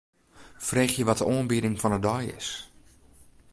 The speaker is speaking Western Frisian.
Freegje wat de oanbieding fan 'e dei is.